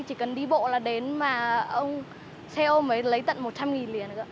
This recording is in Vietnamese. anh chỉ cần đi bộ là đến mà xe ô mới lấy tận một trăm linh liền nữa